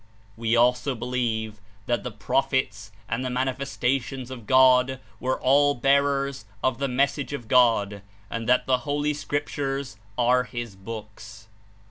We also believe that the Prophets and the Mani festations of God were all bearers of the Message of God, and that the Holy Scriptures are His books.